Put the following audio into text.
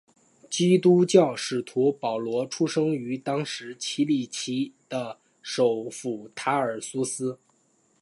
基督教使徒保罗出生于当时奇里乞亚的首府塔尔苏斯。